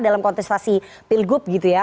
dalam kontestasi pilgub gitu ya